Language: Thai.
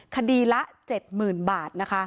คดีละ๗๐๐๐๐บาท